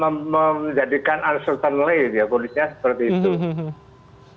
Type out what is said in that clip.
menjadikan uncertain lay ya kondisinya seperti itu